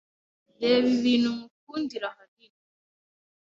Reba ibintu nkukundira ahanini